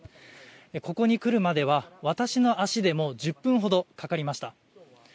ここに来るまでは私の足でも１０分ほどかかりました。